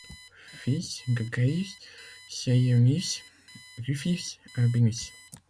Fils de Gaius Ceionius Rufius Albinus.